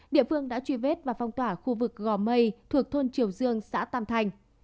địa phương đã truy vết và phong tỏa khu vực gò mây thuộc thôn triều dương xã tam thanh